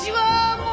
もう。